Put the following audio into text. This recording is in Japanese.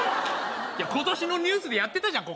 今年のニュースでやってたじゃん